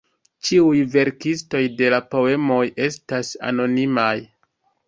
Ĉiuj verkistoj de la poemoj estas anonimaj.